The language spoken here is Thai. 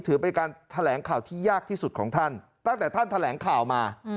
ถือเป็นการแถลงข่าวที่ยากที่สุดของท่านตั้งแต่ท่านแถลงข่าวมา